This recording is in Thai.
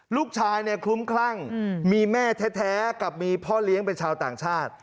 ลูกชายเนี่ยคลุ้มคลั่งมีแม่แท้กับมีพ่อเลี้ยงเป็นชาวต่างชาติ